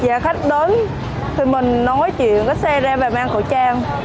và khách đến thì mình nói chuyện có xe ra và mang khẩu trang